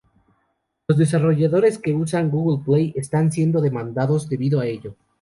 Los desarrolladores que usan Google Play están siendo demandados debido a ello.